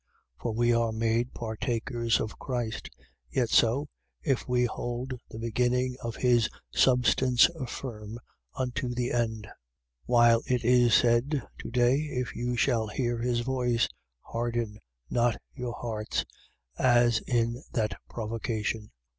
3:14. For we are made partakers of Christ: yet so, if we hold the beginning of his substance firm unto the end. 3:15. While it is said: To day, if you shall hear his voice, harden not your hearts, as in that provocation.